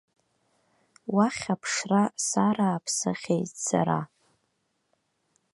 Уахь аԥшра сарааԥсахьеит сара.